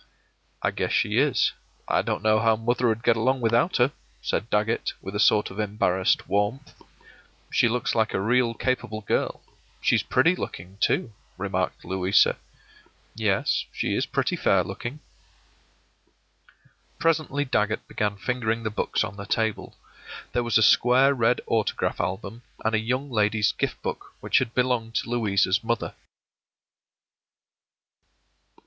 “I guess she is; I don't know how mother'd get along without her,” said Dagget, with a sort of embarrassed warmth. “She looks like a real capable girl. She's pretty looking too,” remarked Louisa. “Yes, she is pretty fair looking.” Presently Dagget began fingering the books on the table. There was a square red autograph album, and a Young Lady's Gift Book which had belonged to Louisa's mother.